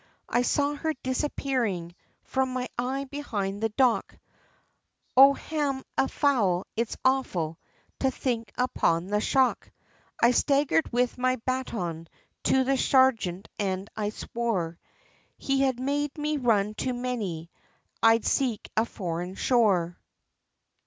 I saw her disappearing, from my eye behind the dock, O, ham an fowl! it's awful, to think upon the shock. I staggered with my baton to the sergeant, and I swore, He had made me run too many, I'd seek a foreign shore.